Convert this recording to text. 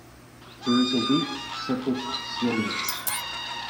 There is a weak supercilium.